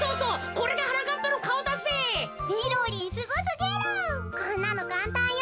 こんなのかんたんよ。